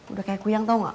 udah kayak kuyang tau gak